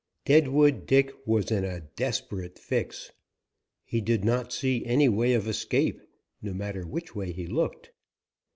Deadwood Dick was in a desperate fix. He did not see any way of escape, no matter which way he looked.